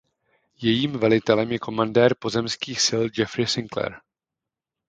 Jejím velitelem je komandér Pozemských sil Jeffrey Sinclair.